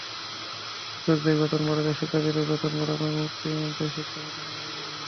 তবে শিক্ষকদের বেতন বাড়াতে শিক্ষার্থীর বেতন বাড়ানোর যুক্তি মানতে শিক্ষা মন্ত্রণালয় রাজি নয়।